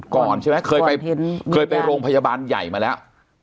ก่อนใช่ไหมเคยไปเคยไปโรงพยาบาลใหญ่มาแล้ว